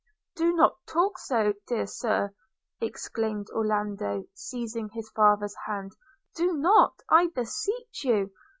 'Do not talk so, dear Sir!' exclaimed Orlando, seizing his father's hand; 'do not, I beseech you!